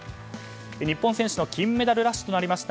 日本選手の金メダルラッシュになりました